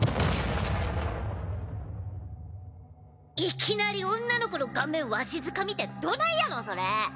いきなり女の子の顔面わしづかみってどないやのそれ。